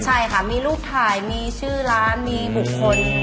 ใช่ค่ะมีรูปถ่ายมีชื่อร้านมีบุคคล